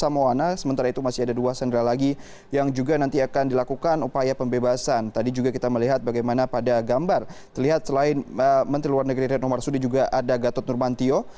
menteri luar negeri renomar sudi juga ada gatot nurmantio